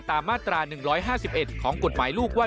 มาตรา๑๕๑ของกฎหมายลูกว่า